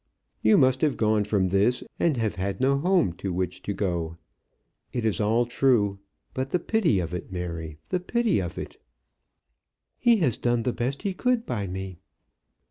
You must have gone from this, and have had no home to which to go. It is all true. But the pity of it, Mary; the pity of it!" "He has done the best he could by me."